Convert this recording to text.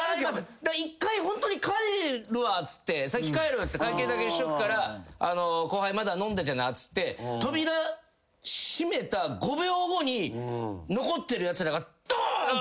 一回ホントに帰るわっつって先帰るわっつって会計だけしとくから後輩まだ飲んでてなっつって扉閉めた５秒後に残ってるやつらが。